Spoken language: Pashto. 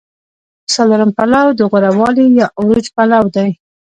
څلورم پړاو د غوره والي یا عروج پړاو دی